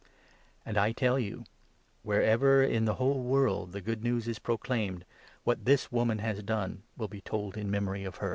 And I tell you, 9 wherever, in the whole world, the Good News is proclaimed, what this woman has done will be told in memory of her."